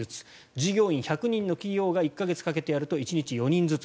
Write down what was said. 従業員１００人の企業が１か月かけてやると１日４人ずつ。